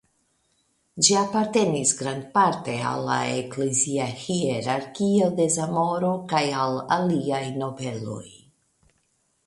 Ĝi apartenis grandparte al la eklezia hierarkio de Zamoro kaj al aliaj nobeloj.